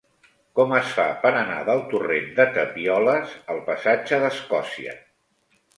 Com es fa per anar del torrent de Tapioles al passatge d'Escòcia?